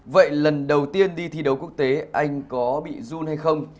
vậy lần đầu tiên đi thi đấu quốc tế anh có bị run hay không